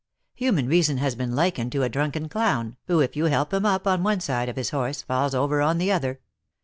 Human reason has been likened to a drunken clown, who if you help him up on one side of his horse, falls over on the other.